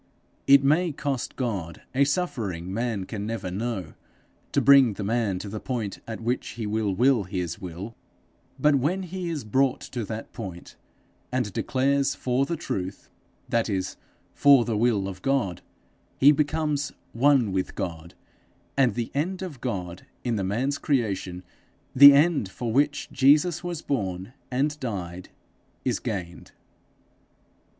It may cost God a suffering man can never know, to bring the man to the point at which he will will His will; but when he is brought to that point, and declares for the truth, that is, for the will of God, he becomes one with God, and the end of God in the man's creation, the end for which Jesus was born and died, is gained.